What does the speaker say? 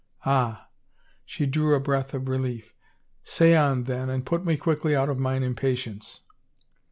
" Ah I " she drew a breath of relief. " Say on then and put me quickly out of mine impatience."